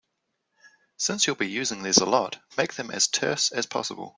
Since you'll be using these a lot, make them as terse as possible.